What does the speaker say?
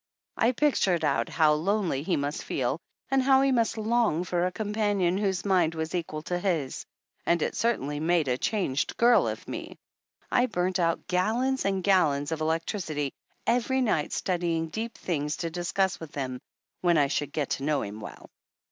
I 230 THE ANNALS OF ANN pictured out how lonely he must feel and how he must long for a companion whose mind was equal to his; and it certainly made a changed girl of me ! I burnt out gallons and gallons of electricity every night studying deep things to discuss with him when I should get to know him well."